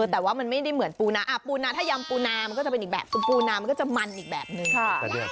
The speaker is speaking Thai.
แต่ว่ามันไม่ได้เหมือนปูนาปูนาถ้ายำปูนามันก็จะเป็นอีกแบบคือปูนามันก็จะมันอีกแบบนึง